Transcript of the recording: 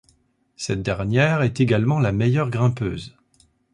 Cette dernière est également la meilleure grimpeuse.